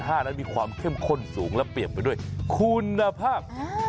นั้นมีความเข้มข้นสูงและเปรียบไปด้วยคุณภาพ